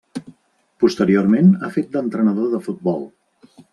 Posteriorment ha fet d'entrenador de futbol.